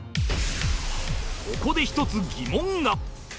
ここで１つ疑問が